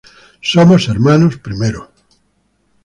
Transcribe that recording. Somos hermanos primero".